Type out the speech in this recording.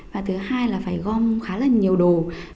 và thứ hai là phải gom khá là nhiều đồ